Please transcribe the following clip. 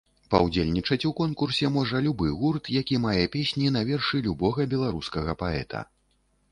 Паўдзельнічаць у конкурсе можа любы гурт, які мае песні на вершы любога беларускага паэта.